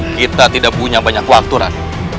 kita tidak punya banyak waktu rat